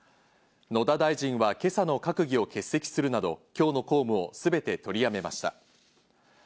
野田大臣は今朝の閣議を欠席するなど、今日の公務をすべて取りやめました。